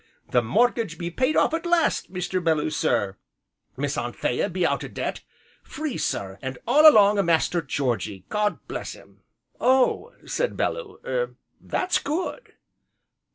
The mortgage be paid off at last, Mr. Belloo, sir, Miss Anthea be out o' debt, free, sir, an' all along o' Master Georgy, God bless him!" "Oh!" said Bellew, " er that's good!"